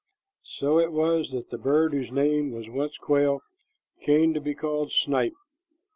So it was that the bird whose name was once quail came to be called snipe.